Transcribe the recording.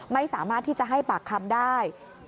ไม่สามารถที่จะให้ปากคำได้